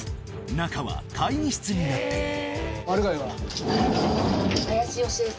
中は会議室になっている